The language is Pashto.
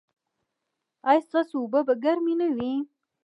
ایا ستاسو اوبه به ګرمې نه وي؟